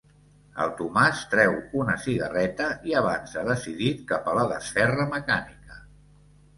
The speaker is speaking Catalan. El Tomàs treu una cigarreta i avança decidit cap a la desferra mecànica.